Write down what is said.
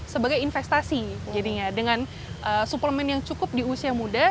sebagai investasi jadinya dengan suplemen yang cukup di usia muda